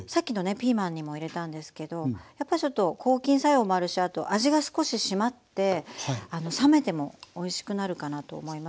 ピーマンにも入れたんですけどやっぱちょっと抗菌作用もあるしあと味が少ししまって冷めてもおいしくなるかなと思いますので。